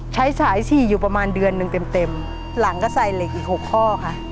ใช้สายฉี่อยู่ประมาณเดือนหนึ่งเต็มเต็มหลังก็ใส่เหล็กอีกหกข้อค่ะ